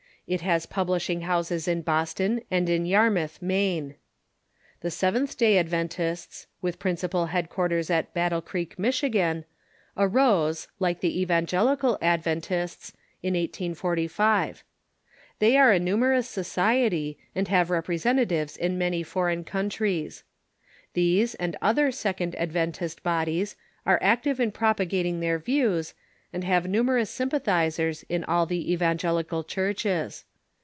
It has publishing houses in Boston and in Yarmouth, Maine. The Seventh Day Adventists, with principal headquarters at OTHER DENOMINATIONS 571 Battle Creek, Michigan, arose, like the Evangelical Adventists, in 1845. They are a niinieroiis society, and have representa tives in many foreign countries. These and other Second Ad ventist bodies are active in propagating their views, and have numerous sympathizers in all the evangelical churches.